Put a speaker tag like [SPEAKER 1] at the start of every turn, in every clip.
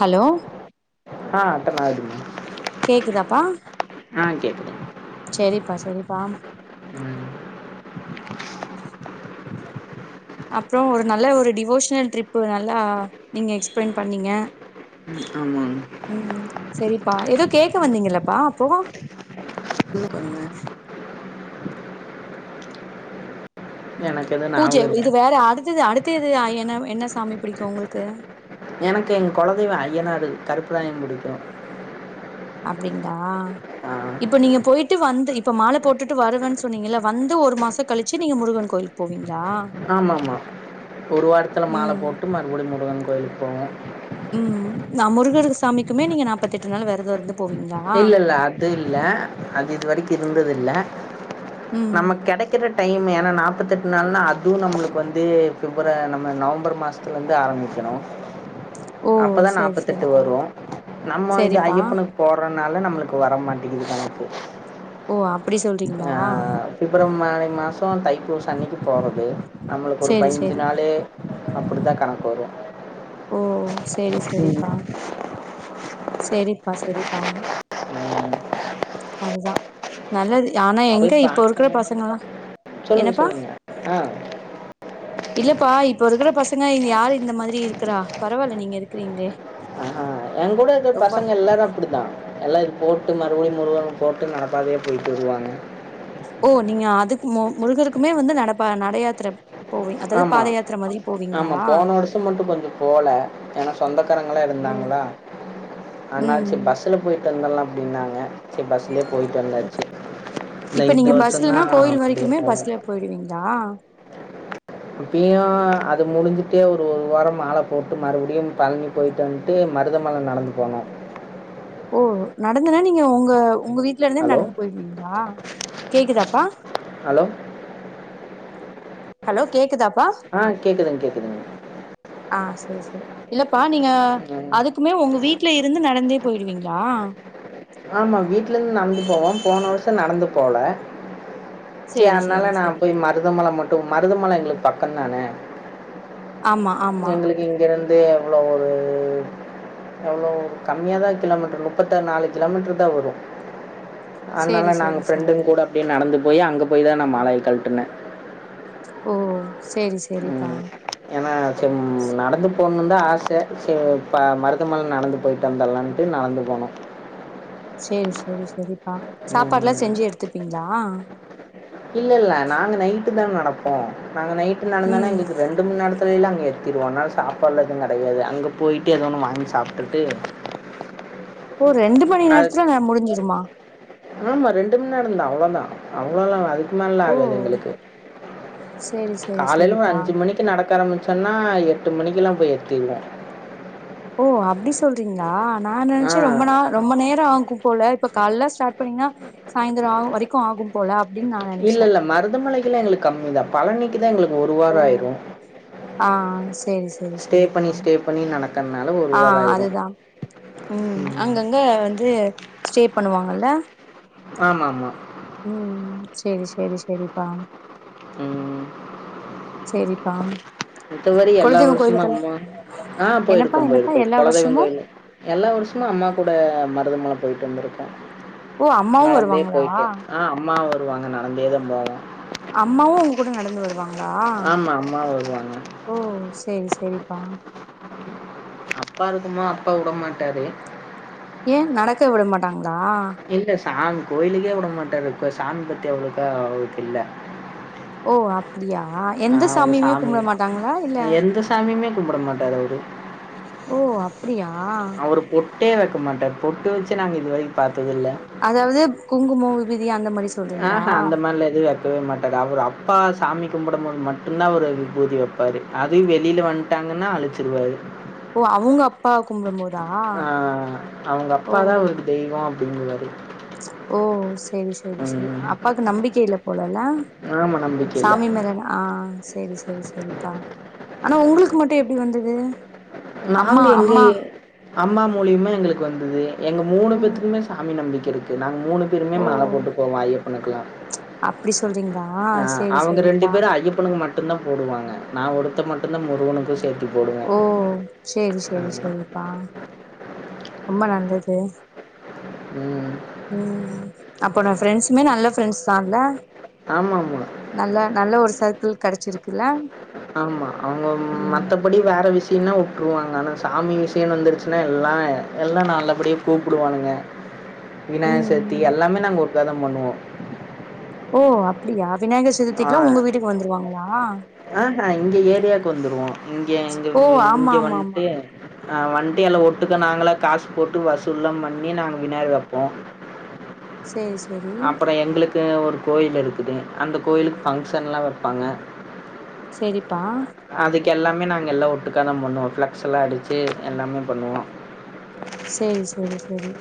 [SPEAKER 1] Hello
[SPEAKER 2] ஆ பண்ணாதீங்க
[SPEAKER 1] கேக்குதாப்பா
[SPEAKER 2] ஆ கேக்குது
[SPEAKER 1] சரிப்பா சரிப்பா
[SPEAKER 2] ம்
[SPEAKER 1] அப்பறோ ஒரு நல்ல ஒரு டிவோஷனல் ட்ரிப்பு நல்லா நீங்க எக்ஸ்பிளைன் பண்ணீங்க
[SPEAKER 2] ம் ஆமாங்க
[SPEAKER 1] ம் செரிப்பா ஏதோ கேக்க வந்தீங்கல்லப்பா அப்போ
[SPEAKER 2] இன்னு கொஞ்ச நேரோ எனக்கு எதுவும்
[SPEAKER 1] பூஜை
[SPEAKER 2] ஞாபகம் இல்ல
[SPEAKER 1] இது வேற அடுத்தது அடுத்த இது என்ன என்ன சாமி பிடிக்கு உங்களுக்கு
[SPEAKER 2] எனக்கு எங்க கொலதெய்வோ அய்யனாரு கருப்புதா எனக்கு புடிக்கு
[SPEAKER 1] அப்டிங்தா
[SPEAKER 2] ஆ
[SPEAKER 1] இப்ப நீங்க போயிட் டு வந்து இப்ப மாலை போட்டுட்டு வருவேன்னு சொன்னீங்கல்ல வந்து ஒரு மாசோ கழிச்சு நீங்க முருகன் கோயிலுக்கு போவிங்ளா
[SPEAKER 2] ஆமா ஆமா ஒரு வாரத்துல மாலை
[SPEAKER 1] ம்
[SPEAKER 2] போட்டு மறுபடியு முருகன் கோயிலுக்கு போவோ
[SPEAKER 1] ம் நா முருகரு சாமிக்குமே நீங்க நாப்பத் தெட்டு நாள் விரதோ இருந்து போவீங்களா
[SPEAKER 2] இல்ல இல்ல அது இல்ல அது இது வரைக்கு இருந்தது இல்ல
[SPEAKER 1] ம்
[SPEAKER 2] நமக்கு கெடைக் கிற டைம் ஏன்னா நாப்பத்தெட்டு நாள்னா அதுவு நம்மளுக்கு வந்து பிப்ர நம்ம நவம்பர் மாசோ த்து வந்து ஆரம்பிக்கணு
[SPEAKER 1] ஓ
[SPEAKER 2] அப்பதா
[SPEAKER 1] செரி
[SPEAKER 2] நாப்பத்தெட்டு
[SPEAKER 1] செரிப்பா
[SPEAKER 2] வரு நம்ம இந்த
[SPEAKER 1] செரிப்பா
[SPEAKER 2] ஐயப்பனுக் போறனால நம்மளுக்கு வர மாட்டேங்கிது கணக்கு
[SPEAKER 1] ஓ அப்டி சொல்றீங்
[SPEAKER 2] ஆ ஆ பிப்ரவரி மாசோ தைப்பூச அன்னக்கி போறது நம்மளுக்கு ஒரு
[SPEAKER 1] சேரி
[SPEAKER 2] பதினஞ்சி
[SPEAKER 1] சேரி
[SPEAKER 2] நாளு அப்டிதா கணக்கு வரு
[SPEAKER 1] ஓ சேரி சேரிப்பா செரிப்பா செரிப்பா
[SPEAKER 2] ம்,
[SPEAKER 1] அதுதா நல்லது ஆனா
[SPEAKER 2] போய்
[SPEAKER 1] எங்க இப்ப இருக்குற
[SPEAKER 2] பார்க்கங்க
[SPEAKER 1] பசங்களா
[SPEAKER 2] சொல்லுங்க
[SPEAKER 1] என்னப்பா
[SPEAKER 2] சொல்லுங்க ஆ
[SPEAKER 1] இல்லப்பா இப்ப இருக்குற பசங்க இது யாரு இந்த மாரி இருக்குறா பரவால்ல நீங்க இருக்குறீங்களே
[SPEAKER 2] அஹா எங்கூட இருக்குற பசங்க எல்லாரு அப்டிதா எல்லா இது போட்டு மறுபடியு முருகனுக் போட்டு நடப்பாதயா போயிட்டு வருவாங்க
[SPEAKER 1] ஓ நீங்க அதுக்கு முருகருக்குமே வந்து நடப்பா நடயாத்ர அதாது பாதயாத்ர மாதி
[SPEAKER 2] ஆமா போன வருஷோ மட்டு கொஞ்சோ போல ஏன்னா சொந்தக்காரங்களா
[SPEAKER 1] ஓ
[SPEAKER 2] இருந்தாங்களா அதனால
[SPEAKER 1] ம்
[SPEAKER 2] செரி பஸ்ல போயிட்டு வந்துர்லா அப்டின்னாங்க செரி பஸ்லயே போயிட்டு வந்தாச்சி இன்னோ
[SPEAKER 1] இப்ப
[SPEAKER 2] இந்த வருஷந்தா அப்டியே போனு
[SPEAKER 1] போய்டுவீங்களா
[SPEAKER 2] இப்பயு அது முடிஞ்சுட்டு ஒரு ஒரு வாரம் மாலை போட்டு மறுபடியு பழனி போய்ட்டு வண்ட்டு மருதமலை நடந்து போனோ
[SPEAKER 1] ஓ நடந்துனா நீங்க ஒங்க ஒங்க வீட்ல இருந்தே
[SPEAKER 2] ஹலோ
[SPEAKER 1] நடந்து போயிடுவீங்களா கேக்குதாப்பா
[SPEAKER 2] ஹலோ
[SPEAKER 1] ஹலோ கேக்குதாப்பா
[SPEAKER 2] ஆ கேக்குதுங்க கேக்குதுங்க
[SPEAKER 1] ஆ சேரி சேரி இல்லப்பா நீங்க
[SPEAKER 2] ம்,
[SPEAKER 1] அதுக்குமே உங்க வீட் ல இருந்து நடந்தே போயிடுவீங்ளா
[SPEAKER 2] ஆமா வீட்ல இருந்து நடந்து போவோ போன வருஷ நடந்து போல சே
[SPEAKER 1] சேரி சேரி
[SPEAKER 2] அதனால நா
[SPEAKER 1] சேரி
[SPEAKER 2] போய் மருதமல மட்டு மருதமல எங்களுக்கு பக்க தானே
[SPEAKER 1] ஆமா ஆமா
[SPEAKER 2] எங்களுக்கு இங்க இருந்து எவ்ளோ ஒரு எவ்ளோ கம்மியாதா கிலோமீட்ரு நுப்பத்த நாலு கிலோமீட்ருதா வரு அதனால
[SPEAKER 1] சேரி
[SPEAKER 2] நாங்க
[SPEAKER 1] சேரி சேரி
[SPEAKER 2] ஃப்ரெண்டுங் கூட அப்டியே நடந்து போய் அங்க போய்தா நா மாலையை கழுட்டுனே
[SPEAKER 1] ஓ சேரி சேரிப்பா
[SPEAKER 2] ம் ஏன்னா சும் நடந்து போணும்னுதா ஆச ச ப மருதமல நடந்து போய் டு வந்தர்லான்ட்டு நடந்து போனோ
[SPEAKER 1] சேரி சேரி செரிப்பா சாப்பாட்லா
[SPEAKER 2] ம்
[SPEAKER 1] செஞ்சு எடுத்துப்பீங்ளா
[SPEAKER 2] இல்ல இல்ல நாங்க நைட்டுதா நடப்போ நாங்க நைட்டு நடந்தனா
[SPEAKER 1] ம்
[SPEAKER 2] எங்களுக்கு ரெண் டு மண்நேரத்துலலா அங்கே எறுதிருவோ அதனால சாப்பாடுல எதுவு கெடையாது அங்க போய்ட்டு எதோ ஒன்னு வாங்கி சாப்டுட்டு
[SPEAKER 1] ஓ ரெண்டு மணி
[SPEAKER 2] அது
[SPEAKER 1] நேரத்துலே ந முடிஞ்சிருமா
[SPEAKER 2] ஆமா ரெண்டு மணி நேரொந்தா அவ்ளோதா அவ்ளதா அதுக்
[SPEAKER 1] ஓ
[SPEAKER 2] நல்லாகாது எங்களுக்கு
[SPEAKER 1] சேரி சேரி
[SPEAKER 2] காலையில ஒரு
[SPEAKER 1] சேரிப்பா
[SPEAKER 2] அஞ்சு மணி நடக்க ஆரபிச்சோம்னா எட்டு மணிக்குல்லா போயிர்க்கீங்க
[SPEAKER 1] ஓ அப்டி சொல்றீங்களா நா
[SPEAKER 2] ஆ
[SPEAKER 1] நினைச்ச ரொம்ப நா ரொம்ப நேர ஆகு போல இப்ப கால்லா ஸ்டார்ட் பண்ணீங்கன்னா சாயந்ர வரைக்கு ஆகும் போல அப்டின் நா நெனச்சே
[SPEAKER 2] மருதமலை குலா எங்ளுக்கு கம்மிதா பழனிக்குதா எங்ளுக்கு ஒரு வார
[SPEAKER 1] ஓ
[SPEAKER 2] ஆயிரு
[SPEAKER 1] ஆ ஆ சரி சரி சரிக்கா
[SPEAKER 2] ஸ்டே பண்ணி நடக்கறனால ஒரு
[SPEAKER 1] ஆ
[SPEAKER 2] வாரம் ஆயிரும்
[SPEAKER 1] அதுதா ம் அங்கங்க வந்து ஸ்டே பண்ணுவாங்க ல
[SPEAKER 2] ஆமா ஆமா
[SPEAKER 1] ம் செரி செரி செரிப்பா
[SPEAKER 2] அ
[SPEAKER 1] சேரிப்பா
[SPEAKER 2] மித்தபடி எல்லா
[SPEAKER 1] குலதெய்வ
[SPEAKER 2] வருஷமு
[SPEAKER 1] கோயிலுக்கெல்லா
[SPEAKER 2] அம்மா ஆ
[SPEAKER 1] என்னப்பா
[SPEAKER 2] போயிடுக்கோ
[SPEAKER 1] என்னப்பா
[SPEAKER 2] போயிருக்கோ
[SPEAKER 1] எல்லா
[SPEAKER 2] கொலதெய்வோ
[SPEAKER 1] வருஷமு
[SPEAKER 2] கோயில் எல்லா வருஷமு அம்மா கூட மருதமல போய்ட்டு வந்துருக்கோ
[SPEAKER 1] ஓ அம்மாவு
[SPEAKER 2] நடந்தே
[SPEAKER 1] வருவாங்களா
[SPEAKER 2] போய்ட்டு ஆ அம்மா வருவாங்க நடந்தே தா போவோ
[SPEAKER 1] அம்மாவு உங்க கூட நடந்து வருவாங்களா
[SPEAKER 2] ஆமா அம்மா வருவாங்க
[SPEAKER 1] ஓ சேரி சேரிப்பா
[SPEAKER 2] அப்பா இருக்குமா அப்பா விடமாட்டாரு
[SPEAKER 1] ஏ நடக்க விடமாட்டாங்களா
[SPEAKER 2] இல்லே சாம் கோயிலுக்கே விட மாட்டாரு இப்ப சாமி பத்தி அவ்ளோக்கா அவருக்கு இல்ல
[SPEAKER 1] ஓ அப்டியா
[SPEAKER 2] ஆ,
[SPEAKER 1] எந்த
[SPEAKER 2] அவரு
[SPEAKER 1] சாமியுமே
[SPEAKER 2] சாமி
[SPEAKER 1] கும்புட மாட்டாங்களா இல்ல
[SPEAKER 2] எந்த சாமியுமே கும்பிட மாட்டாரு அவரு
[SPEAKER 1] ஓ அப்டியா
[SPEAKER 2] ஒரு பொட்டே வைக்க மாட்டார் பொட்டு வெச்சு நாங்க இது வரைக்கு பாத்ததில்ல
[SPEAKER 1] அதாவது குங்குமோ விபுதி அந்த மாரி சொல்றீங்களா
[SPEAKER 2] ஆஹா அந்த மாரில எது வ வக்கவே மாட்டாரு அவரு அப்பா சாமி கும்பிடபோது மட்டு தா அவரு விபூதி வப்பாரு அதயு வெளியிலே வன்ட் ட்டாங்கன்னா அழிச்சுருவாரு
[SPEAKER 1] ஓ அவுங்க அப்பா கும்புடும்போ
[SPEAKER 2] ஆ அவுங்க அப்பாதா அவருக்கு தெய்வோ அப்டிங்குவாரு
[SPEAKER 1] ஓ சேரி சேரி சேரி அப்பாக்கு நம்பிக்க இல்ல போலல
[SPEAKER 2] ஆமா நம்பி
[SPEAKER 1] சாமி மாரியனா ஆ சேரி சேரி சேரிப்பா ஆனா உங்களுக்கு மட்டு எப்டி வந்தது அம்மா
[SPEAKER 2] நாங்க
[SPEAKER 1] அம்மா
[SPEAKER 2] எங்கயே அம்மா மூலியமா எங்களுக்கு வந்தது எங்க மூணு
[SPEAKER 1] ம்
[SPEAKER 2] பேத்துக்குமே சாமி நம்பிக்க இருக்கு நாங்க மூணு பேருமே
[SPEAKER 1] ஓ
[SPEAKER 2] மழ கூட்டு போவோ ஐயப்பனுக்குல்லா
[SPEAKER 1] அப்டி சொல்றீங்களா
[SPEAKER 2] அ
[SPEAKER 1] செரி
[SPEAKER 2] அவங்க ரெண்டு
[SPEAKER 1] செரிப்பா
[SPEAKER 2] பேரு ஐயப் தனுங்க மட்டுதா போடுவாங்க நா ஒருத்த மட்டுதா முருகனுக்கு சேத்
[SPEAKER 1] ஓ சேரி சேரி சேரிப்பா ரொம்ப நல்லது
[SPEAKER 2] ம்
[SPEAKER 1] ம் அப்ப நா ஃப்ரெண்ட்ஸ்மே நல்ல ஃப்ரெண்ட்ஸ்தான்ல
[SPEAKER 2] ஆமா ஆமா
[SPEAKER 1] நல்லா நல்ல ஒரு சர்க்கிள் கெடைச்சிருக்குல்ல
[SPEAKER 2] ஆமா அவங்க மத்தபடி வேற விஷ் த்தினா விட்ருவாங்க ஆனா சாமி விஷயன்னு வந்துடுச்சுனா எல்லா எல்லா நல்லபடியே கூப்பிடுவானுங்க விநாயக சதுதி
[SPEAKER 1] ம்
[SPEAKER 2] எல்லாமே நாங்க ஒருக்காதா பண்ணுவோ
[SPEAKER 1] ஓ அப்படியா விநாயகர் சதுர்த்திகல்லா உங்க வீட்டுக்கு வந்துருவாங்களா
[SPEAKER 2] அஹ இங்க ஏரியாக்கு வந்துருவோ இங்க இங்க
[SPEAKER 1] ஓ ஆமா
[SPEAKER 2] இங்க
[SPEAKER 1] ஆமா ஆமா
[SPEAKER 2] வண்ட்டு அ வண்டியலா ஒட்டுக்க நாங்களே காசு போட்டு வசூல்லா பண்ணி நாங்க விநாயகர் வப்போ
[SPEAKER 1] சேரி சேரி
[SPEAKER 2] அப்றோ எங்குளுக்கு ஒரு கோயில் இருக்குது அந்த கோயிலுக்கு ஃபங்க்ஷன்லா வப்பாங்க
[SPEAKER 1] செரிப்பா
[SPEAKER 2] அதுக்கு எல்லாமே நாங்க எல்லா ஒட்டுக்கா தா பண்ணுவோ ஃப்ளெக்ஸ் எல்லா அடுச்சு எல்லாமே பண்ணுவோ
[SPEAKER 1] சேரி சேரி சேரி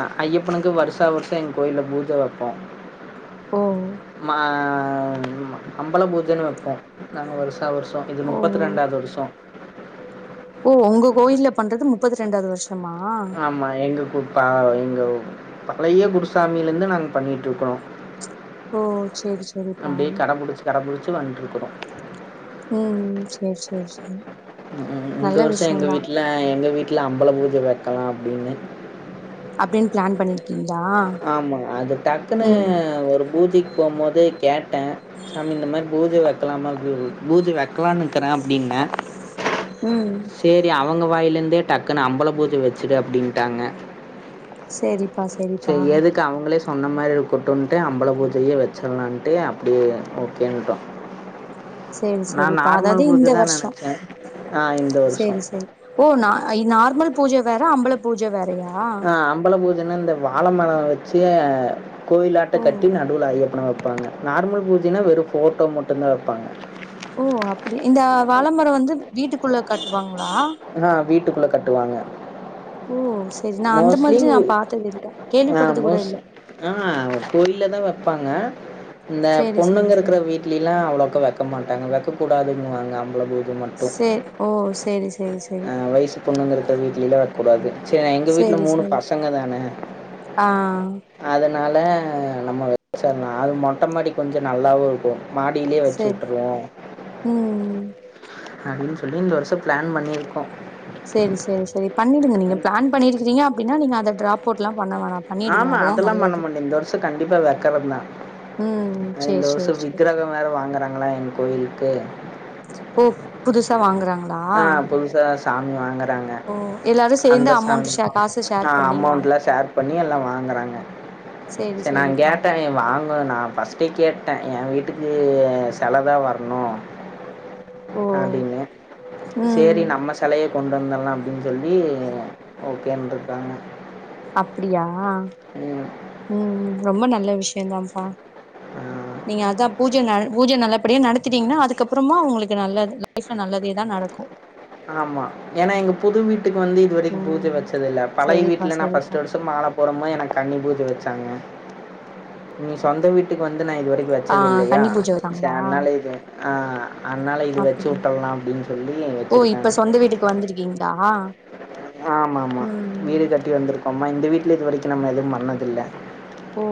[SPEAKER 2] ஆ ஐயப்பனுக்கு வருஷா வருஷ எங்க கோயில்ல பூஜ வைப்போ
[SPEAKER 1] ஓ
[SPEAKER 2] மா அம்பல பூஜன்னு வைப்போ நாங்க வருஷா வருஷ் இது
[SPEAKER 1] ஓ
[SPEAKER 2] முப்பத்தி ரெண்டாவது வருஷோ
[SPEAKER 1] ஓ ஒங்க கோயில்ல பண்றது முப்பது ரெண்டாவது வருஷம்
[SPEAKER 2] ஆமா எங்க குப் ப எங்க பழைய குருசாமிலேந்து நாங்க பண்ணிட்டு இருக்கிறோ
[SPEAKER 1] ஓ சேரி சேரிப்பா
[SPEAKER 2] அப்டியே கடபுடிச்சு கடபுடிச்சு வண்ட்ருக்குறோ
[SPEAKER 1] ஒ சேர் சேர் சேரி
[SPEAKER 2] ம் ம் இந்த
[SPEAKER 1] நல்ல
[SPEAKER 2] வர்ஷோ எங்க
[SPEAKER 1] விஷயந்தா
[SPEAKER 2] வீட்ல எங்க வீட்ல அம்பல பூஜ வெக்கலா அப்டின்னு
[SPEAKER 1] அப்டின் பிளான் பண்ணரு
[SPEAKER 2] ஆமாங்க அது டக்குன்னு
[SPEAKER 1] ம்
[SPEAKER 2] ஒரு பூஜைக்கு போ போது கேட் ட்டே சாமி இந்த மாரி பூஜ வெக்கலாமா [unintelligible] பூஜ வெக்கலான் இக்குறே அப்டின்னே
[SPEAKER 1] ம்
[SPEAKER 2] செரி அவங்க வாயிலேருந்தே டக்குன்னு அம்பள பூஜ வச்சுடு அப்டிண்ட்டாங்க
[SPEAKER 1] செரிப்பா
[SPEAKER 2] சேரி எதுக்கு அவுங்களே சொன்ன மாரி கொட்டுன்ட்டு அம்பள பூஜயே வெச்சர்லாண்ட்டு அப்டியே ஓக்கேன்ட்டோ
[SPEAKER 1] சேரி
[SPEAKER 2] நா
[SPEAKER 1] சேரிப்பா அதாவது
[SPEAKER 2] நார்மல் பூஜா
[SPEAKER 1] இந்த
[SPEAKER 2] தா
[SPEAKER 1] வருஷோ
[SPEAKER 2] நெனைச்சே ஆ இந்த வருஷோ
[SPEAKER 1] சேரி சேரி ஓ நா நார்மல் பூஜ வேற அம்பள பூஜ வேறயா
[SPEAKER 2] அ அம்பல பூஜன்ன இந்த வாழ மரொ வச்சு கோயிலாட்ட
[SPEAKER 1] ஓ
[SPEAKER 2] கட்டி நடுல ஐய்யப்பன வெப்பாங்க நார்மல் பூஜன்னா வெறு ஃபோட்டோ மட்டுந் தா வெப்பாங்க
[SPEAKER 1] ஓ அப்டிய இந்த வாழமரொ வந்து வீட்டுக்குள்ள கட்டுவாங்களா
[SPEAKER 2] ஆ வீட்டுக்குள்ள கட்டுவாங்க
[SPEAKER 1] ஓ செரி நா அந்த மாதிரி நா
[SPEAKER 2] மோஸ்ட்லி
[SPEAKER 1] பார்த்தது இல்ல
[SPEAKER 2] ஆ
[SPEAKER 1] கேள்விப்பட்டது கூட
[SPEAKER 2] மோஸ்
[SPEAKER 1] இல்ல
[SPEAKER 2] ஆ கோயில்ல தா வெப்பாங்க இந்த
[SPEAKER 1] சேரி சேரி
[SPEAKER 2] பொண்ணுங்க இருக்கிற
[SPEAKER 1] சேரி
[SPEAKER 2] வீட் கீழ அவ்வளோக்கு வைக்க மாட்டாங்க வைக்கக் கூடாதுன்னு வாங்க அவ்வளவு
[SPEAKER 1] சே ஓ சேரி சேரி சேரி
[SPEAKER 2] அ வயிசு பொண்ணுங்க இருக்க வீட்லிலா வெக்கூடாது சேர் நா எங்க வீட்ல
[SPEAKER 1] சேரி
[SPEAKER 2] மூனு
[SPEAKER 1] சேரி
[SPEAKER 2] பசங்க தான
[SPEAKER 1] ஆ
[SPEAKER 2] அதுனால நம்ம வெச்சர்லா அது மொட்ட மாடி கொஞ்சொ நல்லாவு இருக்கு மாடியிலயே வச்சு
[SPEAKER 1] சேரி
[SPEAKER 2] விட்டுருவோ
[SPEAKER 1] ம்
[SPEAKER 2] அப்டின் சொல்லி இந்த வர்ஷோ பிளான் பண்ணிருக்கோ
[SPEAKER 1] சேரி சேரி சேரி பண்ணிடுங்க நீங்க பிளான் பண்ணிருக்கிறீங்க அப்டின்னா நீங்க அத ட்ராப்
[SPEAKER 2] ஆமா அதெல்லா பண்ண மாட்டே இந்த வர்ஷோ கண்டிப்பா வெக்கறெந்தா
[SPEAKER 1] ம்
[SPEAKER 2] அது இந்த
[SPEAKER 1] சேரி
[SPEAKER 2] வர்ஷோ
[SPEAKER 1] சேரி சேரி
[SPEAKER 2] விக்குரகொ வேற வாங்கறாங்களா எங் கோயிலுக்கு
[SPEAKER 1] ஓ புதுசா வாங்குறாங்க
[SPEAKER 2] அ புதுசா சாமி வாங்கறாங்க
[SPEAKER 1] ஓ எல்லாரு சேந்து
[SPEAKER 2] அந்த சாம்
[SPEAKER 1] அமௌண்ட் ஷே காசு ஷேர்
[SPEAKER 2] ஆ
[SPEAKER 1] பண்ணி வாங்
[SPEAKER 2] அமௌண்ட்ல்லா ஷேர் பண்ணி எல்லா வாங்கறாங்க
[SPEAKER 1] சேரி
[SPEAKER 2] செரி நா
[SPEAKER 1] சேரிப்பா
[SPEAKER 2] கேட்டேனெ வாங்கு நா ஃபஸ் டி கேட்டே எ வீட்டுக்கு செலதா வரணு
[SPEAKER 1] ஓ
[SPEAKER 2] அப்டின்னு
[SPEAKER 1] ம்
[SPEAKER 2] சேரி நம்ம செலய கொண்டு வந்தர்லா அப்டின் சொல்லி ஓகேன்ருக்காங்க
[SPEAKER 1] அப்டியா
[SPEAKER 2] ம்
[SPEAKER 1] ம் ரொம்ப நல்ல விஷயந்தான்ப்பா
[SPEAKER 2] ஆ
[SPEAKER 1] நீங்க அதா பூஜ ந பூஜ நல்லபடியா நடத் துட்டீங்கன்னா அதுக்கப்றமா உங்களுக்கு நல்லது லைஃப்ல நல்லதேதா நடக்கு
[SPEAKER 2] ஆமா ஏன்னா எங்க புது வீட்டுக்கு வந்து இதுவரைக்கு பூஜ
[SPEAKER 1] ம்
[SPEAKER 2] வச்சது இல்ல பழய
[SPEAKER 1] செரிப்பா
[SPEAKER 2] வீட்ல நா
[SPEAKER 1] செரிப்பா
[SPEAKER 2] ஃபர்ஸ்ட் வருஷ மால போகும் போது எனக்கு கண்ணி பூஜ வச்சாங்க நீ சொந்த வீட்டுக்கு வந்து நா இதுவரைக்கு வச்
[SPEAKER 1] ஆ
[SPEAKER 2] வச்சது இல்லயா
[SPEAKER 1] கன்னி பூஜ
[SPEAKER 2] சே
[SPEAKER 1] வச்சாங்களா
[SPEAKER 2] அதுனால இது ஆ அதனால இது வச்சு
[SPEAKER 1] அப்டியா
[SPEAKER 2] உட்டர்லா அப்டின்னு சொல்லி
[SPEAKER 1] ஓ இப்ப
[SPEAKER 2] வச்சுருக்காங்க
[SPEAKER 1] சொந்த வீட்டுக்கு வந்திருக்கீங்களா
[SPEAKER 2] ஆமா ஆமா
[SPEAKER 1] ம்
[SPEAKER 2] வீடு கட்டி வந்துருக்கோம்மா இந்த வீட்ல இது வரிக்கு நாங்க எதுவு பண்ணதில்ல
[SPEAKER 1] ஓ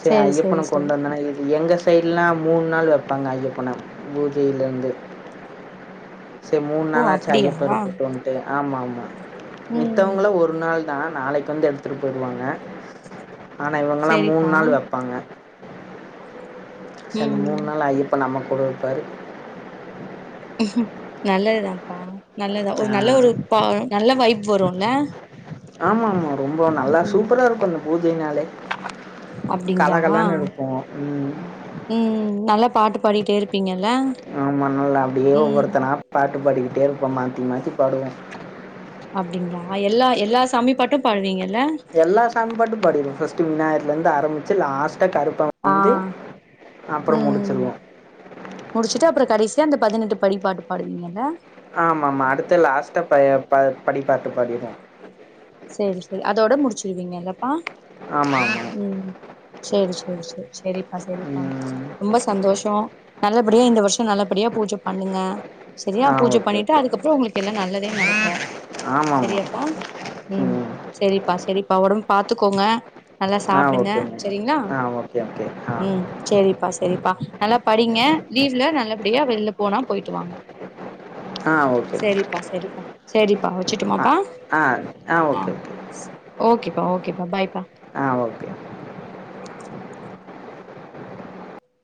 [SPEAKER 2] செரி ஐயப்பனு கொண்டு வந்தனா இது எங்க சைட்லா மூணு நாள் வைப்பாங்க ஐயப்பன பூஜையிலேருந்து செரி மூணு
[SPEAKER 1] ஓ
[SPEAKER 2] நாளாச்சு
[SPEAKER 1] அப்டியா
[SPEAKER 2] ஐயப்ப இருக்கட்டோன்ட்டு ஆமா ஆமா
[SPEAKER 1] ம்
[SPEAKER 2] மித்தவங்கள ஒரு நாள் தா நாளைக்கு வந்து எடுத்துட்டு போய்டுவாங்க ஆனா இவங்கலா மூன்
[SPEAKER 1] செரிப்பா
[SPEAKER 2] நாள் வப்பாங்க சரி அந்த
[SPEAKER 1] ம்
[SPEAKER 2] மூன் நாள் ஐயப்பா நம்ம கூட இருப்பாரு
[SPEAKER 1] நல்லதுதான்ப்பா நல்லதா ஒரு நல்ல
[SPEAKER 2] இருப்பார்
[SPEAKER 1] ஒரு நல்ல வைப் வருல்ல
[SPEAKER 2] ஆமா ஆமா ரொம்ப நல்லா
[SPEAKER 1] ம்
[SPEAKER 2] சூப்பரா இருக்கு அந்த பூஜைனாலே கல
[SPEAKER 1] அப்டிங்களா
[SPEAKER 2] கலன் இருக்கு ம்
[SPEAKER 1] ம் நல்லா பாட்டு பாடிட்டே இருப்பீங்கல்ல
[SPEAKER 2] ஆமா நல்லா அப்டியே
[SPEAKER 1] ம்
[SPEAKER 2] ஒவ்வொருத்தனா பாட்டு பாடிக்கிட்டே இருப்போ மாத்தி மாத்தி பாடுவோ
[SPEAKER 1] அப்டிங்களா எல்லா எல்லா சாமி பாட்டு பாடுவீங்க இல்ல
[SPEAKER 2] எல்லா சாமி பாட்டு பாடிருவோ பஸ்ட் விநாயகர்ல இருந்து ஆரபிச்சு லாஸ்டா கருப்ப
[SPEAKER 1] ஆ
[SPEAKER 2] வந்து அப்ற
[SPEAKER 1] ம்
[SPEAKER 2] முடிச்சிருவோ
[SPEAKER 1] முடிச்சுட்டு அப்புற கடைசியா அந்த பதினெட்டு படி பாட்டு பாடுவீங்க இல்ல
[SPEAKER 2] ஆமா ஆமா அடுத்து லாஸ்டா ப ப படிப்பாட்டு பாடிருவோ
[SPEAKER 1] சேரி சேரி அதோட முடிச்சிருவீங்க இல்லப்பா
[SPEAKER 2] ஆமா ஆமா
[SPEAKER 1] ம் சேரி சேரி சேரி செரிப்பா செரிப்பா
[SPEAKER 2] ம்.
[SPEAKER 1] ரொம்ப சந்தோஷ நல்லபடியா இந்த வருஷ நல்லபடியா பூஜ பண்ணுங்க சரியா
[SPEAKER 2] ஆ
[SPEAKER 1] பூஜ
[SPEAKER 2] ஓகே,
[SPEAKER 1] பண்ணிட்டா
[SPEAKER 2] ஓகே.
[SPEAKER 1] அதுக்கப்ற உங்களுக்கு எல்லா நல்லதே நடக்கு
[SPEAKER 2] ஆமாமா.
[SPEAKER 1] சரியாப்பா ம் செரிப்பா செரிப்பா ஒடம் பாத்துக்கோங்க நல்லா
[SPEAKER 2] ஆ
[SPEAKER 1] சாப்டுங்க
[SPEAKER 2] ஓகேங்க.
[SPEAKER 1] செரிங்களா
[SPEAKER 2] ஆ ஓகே, ஓகே. ஆ.
[SPEAKER 1] ம் செரிப்பா சரிப்பா நல்லா படிங்க லீவ்ல நல்லபடியா வெளில போனா போயிட்டு வாங்க
[SPEAKER 2] ஆ ஓகே.
[SPEAKER 1] செரிப்பா செரிப்பா சேரிப்பா
[SPEAKER 2] ஆ.
[SPEAKER 1] வச்சுட்டுமாப்பா
[SPEAKER 2] ஆ ஆ ஓகே ஓகே
[SPEAKER 1] ஓகேப்பா ஓகேப்பா பாய்ப்பா
[SPEAKER 2] ஆ ஓகே